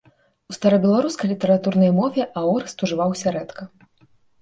У старабеларускай літаратурнай мове аорыст ужываўся рэдка.